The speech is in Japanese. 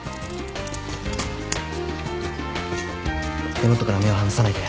手もとから目を離さないで。